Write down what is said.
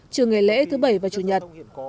trường ngày lễ thứ bảy và chủ nhật